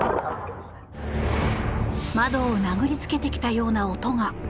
窓を殴りつけてきたような音が。